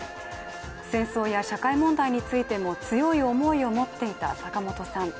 戦争や社会問題についても強い思いを持っていた坂本さん。